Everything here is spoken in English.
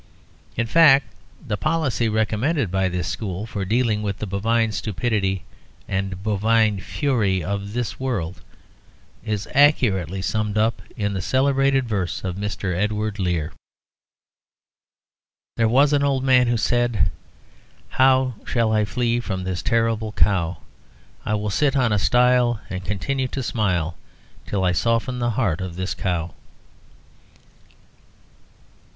In fact, the policy recommended by this school for dealing with the bovine stupidity and bovine fury of this world is accurately summed up in the celebrated verse of Mr. Edward Lear: "There was an old man who said, 'How Shall I flee from this terrible cow? I will sit on a stile and continue to smile Till I soften the heart of this cow.'"